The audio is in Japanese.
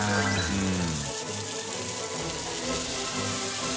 うん。